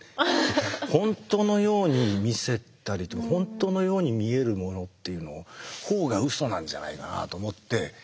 本当のように見せたりとか本当のように見えるものっていうほうがうそなんじゃないかなと思って。